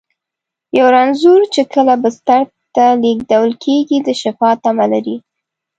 یو رنځور چې کله بستر ته لېږدول کېږي، د شفا تمه لري.